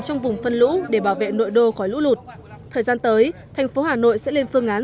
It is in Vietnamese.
trong vùng phân lũ để bảo vệ nội đô khỏi lũ lụt thời gian tới thành phố hà nội sẽ lên phương án